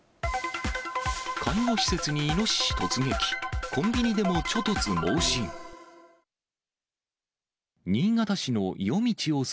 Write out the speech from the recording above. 介護施設にイノシシ突撃、コンビニでもちょ突猛進。